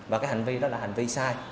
và cái hành vi đó là hành vi sai